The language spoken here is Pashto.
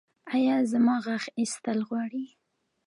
ایا زما غاښ ایستل غواړي؟